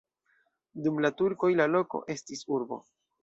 Dum la turkoj la loko estis urbo.